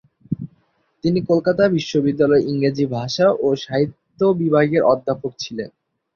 তিনি কলকাতা বিশ্ববিদ্যালয়ের ইংরেজি ভাষা ও সাহিত্য বিভাগের অধ্যাপক ছিলেন।